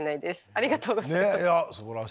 ありがとうございます！ね！